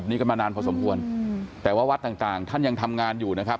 นี่ก็มานานพอสมควรแต่ว่าวัดต่างต่างท่านยังทำงานอยู่นะครับ